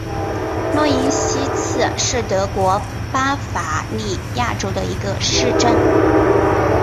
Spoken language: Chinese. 诺伊西茨是德国巴伐利亚州的一个市镇。